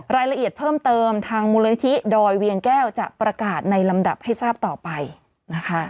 รายละเอียดเพิ่มเติมทางมูลนิธิดอยเวียงแก้วจะประกาศในลำดับให้ทราบต่อไปนะคะ